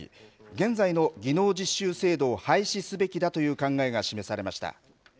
現在の技能実習制度を廃止すべきだという考えが示されました。